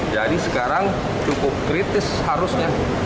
jadi sekarang cukup kritis harusnya